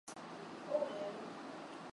u tano medali mia nne sabini na sita za dhahabu